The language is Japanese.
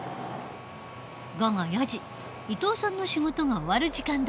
午後４時伊藤さんの仕事が終わる時間だ。